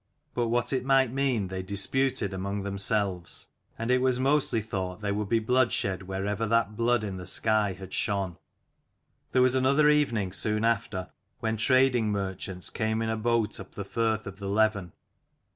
But what it might mean they disputed among themselves : and it was mostly thought there would be bloodshed wherever that blood in the sky had shone. There was another evening soon after, when trading merchants came in a boat up the firth of the Leven.